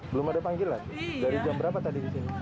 belum ada panggilan dari jam berapa tadi di sini